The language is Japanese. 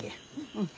うん。